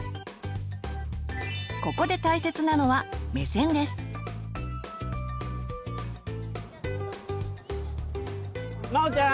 ここで大切なのはまおちゃん